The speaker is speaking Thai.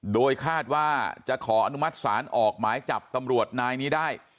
โดยคาดว่าจะขออนุมัติศาลออกหมายจับตำรวจนายนี้ได้